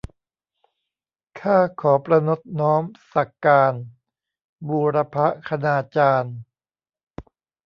ข้าขอประณตน้อมสักการ บูรพคณาจารย์